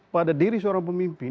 pada diri seorang pemimpin